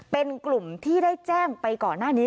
เป็นกลุ่มที่ได้แจ้งไปก่อนหน้านี้